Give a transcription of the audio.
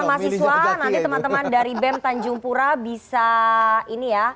mahasiswa nanti teman teman dari bem tanjung pura bisa ini ya